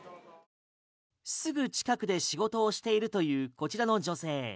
すぐ近くで仕事をしているというこちらの女性。